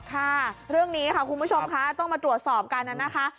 ค่ะเรื่องนี้ค่ะคุณผู้ชมคะต้องมาตรวจสอบกันนะคะ